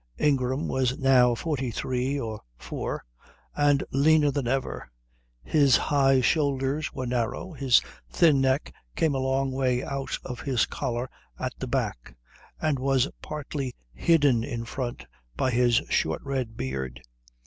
Ingram was now forty three or four, and leaner than ever. His high shoulders were narrow, his thin neck came a long way out of his collar at the back and was partly hidden in front by his short red beard.